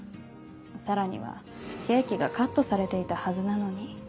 さらにはケーキがカットされていたはずなのに。